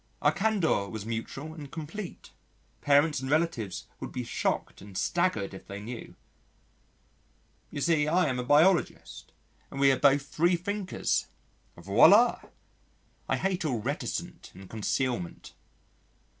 Our candour was mutual and complete parents and relatives would be shocked and staggered if they knew.... You see I am a biologist and we are both freethinkers. Voilà!... I hate all reticence and concealment....